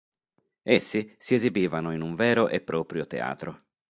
Essi si esibivano in un vero e proprio teatro.